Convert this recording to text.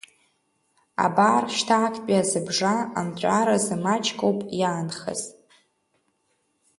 Абар шьҭа актәи азыбжа анҵәаразы маҷк ауп иаанхаз.